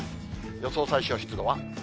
予想最小湿度は。